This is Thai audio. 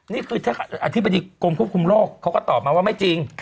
นี่คือถ้าอธิบดีกรมควบคุมโรคเขาก็ตอบมาว่าไม่จริง